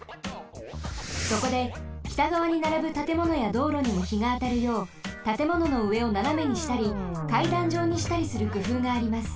そこで北がわにならぶたてものやどうろにもひがあたるようたてもののうえをななめにしたりかいだんじょうにしたりするくふうがあります。